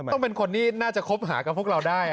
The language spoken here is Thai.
ต้องเป็นคนที่น่าจะคบหากับพวกเราได้